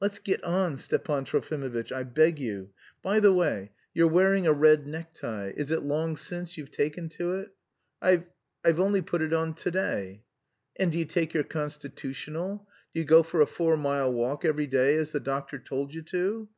"Let's get on, Stepan Trofimovitch, I beg you! By the way, you're wearing a red neck tie. Is it long since you've taken to it?" "I've... I've only put it on to day." "And do you take your constitutional? Do you go for a four mile walk every day as the doctor told you to?"